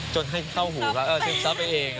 จนให้เข้าหูกล้อง